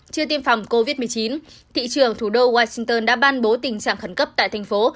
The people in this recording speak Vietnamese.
chưa tiêm phòng covid một mươi chín thị trường thủ đô washington đã ban bố tình trạng khẩn cấp tại thành phố